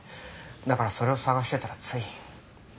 だからそれを探してたらつい。